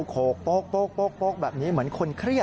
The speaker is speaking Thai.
โขกโป๊กแบบนี้เหมือนคนเครียด